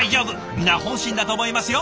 皆本心だと思いますよ。